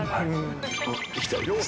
行きたいです。